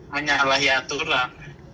jangan lagi menyalahi aturan